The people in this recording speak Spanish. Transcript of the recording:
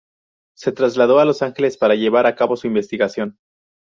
Se trasladó a Los Ángeles para llevar a cabo su investigación.